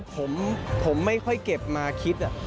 ผมไม่ค่อยเก็บมาคิด